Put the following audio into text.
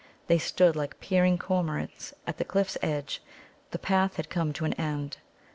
They stood like peering cormorants at the cliff's edge. The path had come to an end.